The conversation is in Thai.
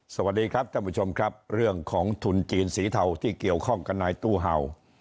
สวัสดีครับท่านผู้ชมครับเรื่องของทุนจีนสีเทาที่เกี่ยวข้องกับนายตู้เห่า